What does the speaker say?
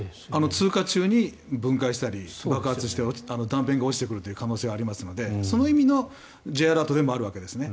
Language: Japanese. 通過中に分解したり爆発して断片が落ちてくるという可能性はありますのでその意味のＪアラートでもあるわけですね。